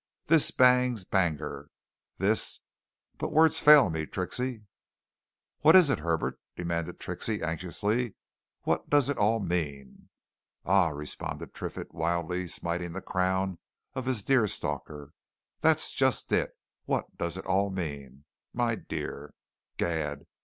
This bangs Banagher! This but words fail me, Trixie!" "What is it, Herbert?" demanded Trixie anxiously. "What does it all mean?" "Ah!" responded Triffitt, wildly smiting the crown of his deerstalker. "That's just it! What does it all mean, my dear! Gad!